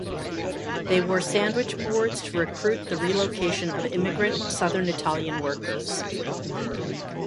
They wore sandwich boards to recruit the relocation of immigrant southern Italian workers.